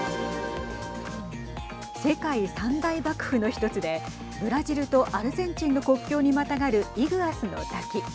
世界三大ばくふの１つでブラジルとアルゼンチンの国境にまたがるイグアスの滝。